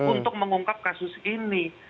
untuk mengungkap kasus ini